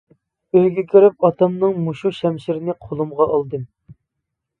ئۆيگە كىرىپ ئاتامنىڭ مۇشۇ شەمشىرىنى قولۇمغا ئالدىم.